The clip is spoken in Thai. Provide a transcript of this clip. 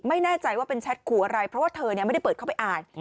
ไม่แน่ใจว่าเป็นแชทขู่อะไรเพราะว่าเธอไม่ได้เปิดเข้าไปอ่าน